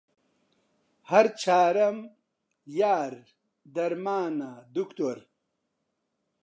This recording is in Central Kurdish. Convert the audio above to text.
هەر چارەم، یار، دەرمانە، دوکتۆر